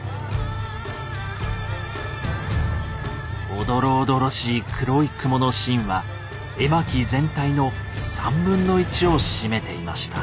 おどろおどろしい黒い雲のシーンは絵巻全体の３分の１を占めていました。